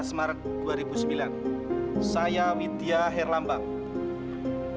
saya yang menganggap ibu herlambang